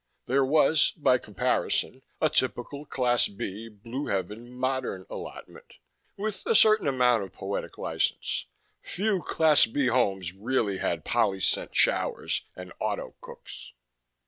There was, by comparison, a typical Class B Blue Heaven modern allotment with a certain amount of poetic license; few Class B homes really had polyscent showers and auto cooks.